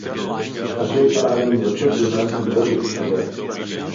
אשר פעל נמרצות למען עירו ותושביה